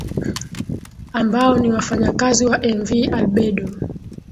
ambao ni wafanyakazi wa mv albedo